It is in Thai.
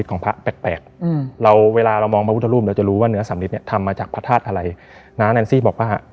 ตอนก่อนจะกลับ